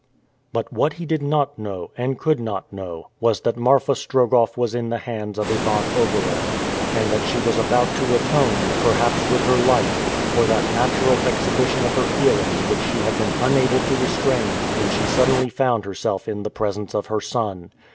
But what he did not know, and could not know, was that Marfa Strogoff was in the hands of Ivan Ogareff, and that she was about to atone, perhaps with her life, for that natural exhibition of her feelings which she had been unable to restrain when she suddenly found herself in the presence of her son.